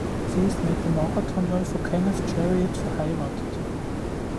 Sie ist mit dem Marathonläufer Kenneth Cheruiyot verheiratet.